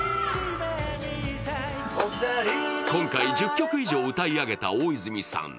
今回１０曲以上歌い上げた大泉さん。